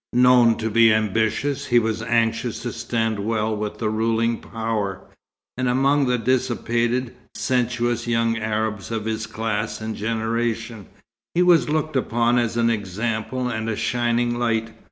Known to be ambitious, he was anxious to stand well with the ruling power, and among the dissipated, sensuous young Arabs of his class and generation, he was looked upon as an example and a shining light.